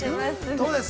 ◆どうです？